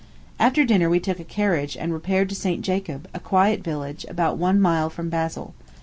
After dinner we took a carriage and repaired to St. Jacob, a quiet village, about one mile from Basle.